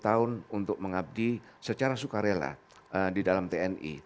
sepuluh tahun untuk mengabdi secara sukarela di dalam tni